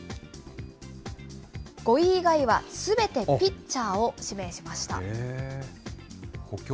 ５位以外はすべてピッチャーを指名しました。